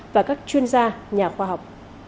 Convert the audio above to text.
và các chuyên gia nhà khoa học